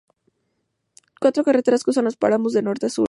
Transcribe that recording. Cuatro carreteras cruzan los páramos de norte a sur.